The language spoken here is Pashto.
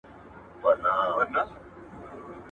يا دي نه وي يا دي نه سره زامن وي.